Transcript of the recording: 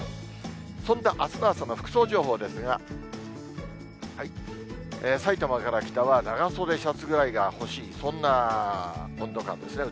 そんなあすの朝の服装情報ですが、さいたまから北は長袖シャツぐらいが欲しい、そんな温度感ですね。